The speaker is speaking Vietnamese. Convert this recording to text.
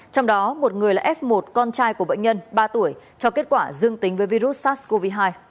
trong đó một người là f một con trai của bệnh nhân ba tuổi cho kết quả dương tính với virus sars cov hai